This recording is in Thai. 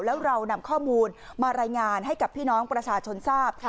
แล้วเรานำข้อมูลมารายงานให้กับพี่น้องประชาชนทราบ